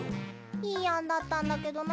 いいあんだったんだけどな。